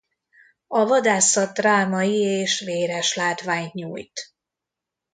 A vadászat drámai és véres látványt nyújt.